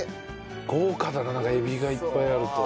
豪華だななんかえびがいっぱいあると。